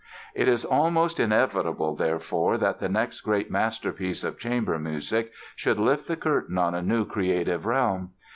It is almost inevitable, therefore, that the next great masterpiece of chamber music, should lift the curtain on a new creative realm.